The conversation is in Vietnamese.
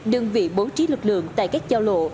đơn vị bố trí lực lượng tại các giao lộ